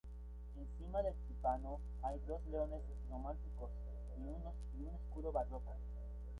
Encima del tímpano hay dos leones románicos y un escudo barroco.